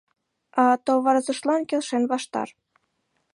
А товарзыштлан келшен ваштар.